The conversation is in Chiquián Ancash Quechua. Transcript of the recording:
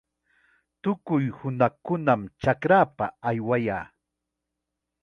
Tukuy hunaqkunam chakrapa aywayaa.